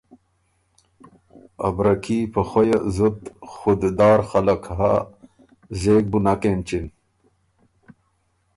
ا برکي په خوئه زُت خود دار خلق هۀ زېک بُو نک اېنچِن۔